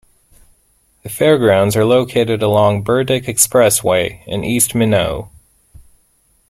The fairgrounds are located along Burdick Expressway in east Minot.